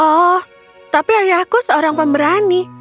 oh tapi ayahku seorang pemberani